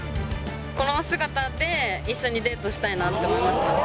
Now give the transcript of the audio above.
この姿で一緒にデートしたいなって思いました。